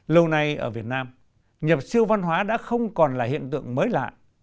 lâu nay ở việt nam nhập siêu văn hóa đã không còn là hiện tượng mới lạ